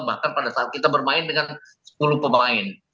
bahkan pada saat kita bermain dengan sepuluh pemain